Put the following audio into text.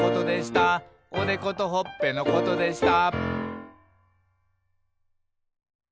「おでことほっぺのことでした」